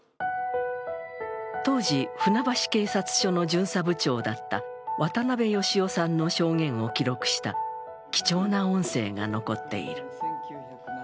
当時船橋警察署の巡査部長だった渡辺良雄さんの証言を記録した貴重な音声が残っている。